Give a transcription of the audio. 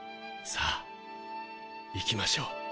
さあ行きましょう。